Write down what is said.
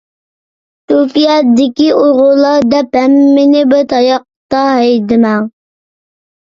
تۈركىيەدىكى ئۇيغۇرلار دەپ، ھەممىنى بىر تاياقتا ھەيدىمەڭ!